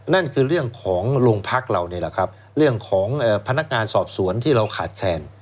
นั่นคือเรื่องของโรงพักษณ์เราเรื่องของพนักงานสอบสวนที่เราขาดแคลน